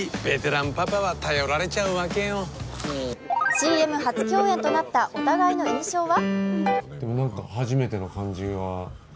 ＣＭ初共演となったお互いの印象は？